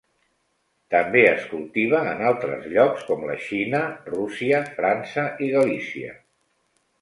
També es cultiva en altres llocs com la Xina, Rússia, França i Galícia.